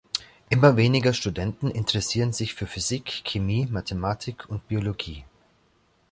Immer weniger Studenten interessieren sich für Physik, Chemie, Mathematik und Biologie.